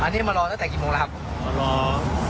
อันนี้มารอตั้งแต่กี่โมงแล้วครับมารอ